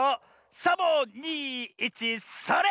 サボ２１それ！